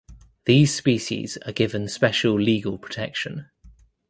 These species are given special legal protection.